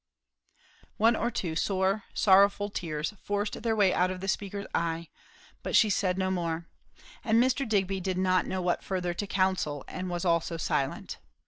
One or two sore, sorrowful tears forced their way out of the speaker's eyes; but she said no more. And Mr. Digby did not know what further to counsel, and was also silent.